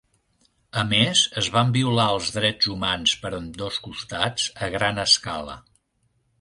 A més, es van violar els drets humans per ambdós costats a gran escala.